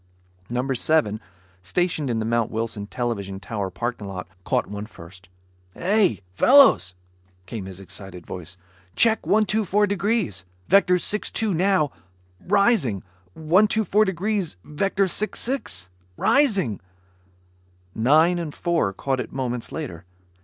Number Seven, stationed in the Mount Wilson television tower parking lot, caught one first. "Hey fellows," came his excited voice, "check 124 degrees, vector 62 now ... rising ... 124 degrees ... vector 66 ... rising " Nine and Four caught it moments later.